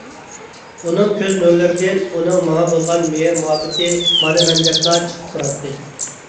ئۇنىڭ كۆز نۇرلىرىدىن ئۇنىڭ ماڭا بولغان مېھىر-مۇھەببىتى مانا مەن دەپلا چىقىپ تۇراتتى.